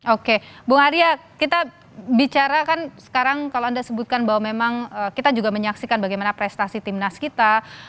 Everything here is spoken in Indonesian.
oke bung arya kita bicara kan sekarang kalau anda sebutkan bahwa memang kita juga menyaksikan bagaimana prestasi timnas kita